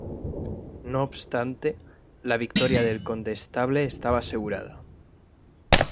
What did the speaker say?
No obstante, la victoria del Condestable estaba asegurada.